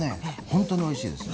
本当においしいです。